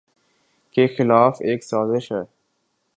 کے خلاف ایک سازش ہے۔